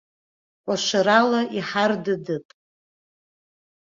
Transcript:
Кәашарала иҳардыдып!